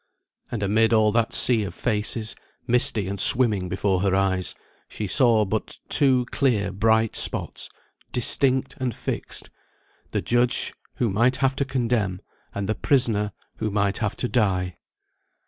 And amid all that sea of faces, misty and swimming before her eyes, she saw but two clear bright spots, distinct and fixed: the judge, who might have to condemn; and the prisoner, who might have to die.